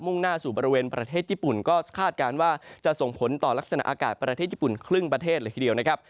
่งหน้าสู่บริเวณประเทศญี่ปุ่นก็คาดการณ์ว่าจะส่งผลต่อลักษณะอากาศประเทศญี่ปุ่นครึ่งประเทศเลยทีเดียวนะครับ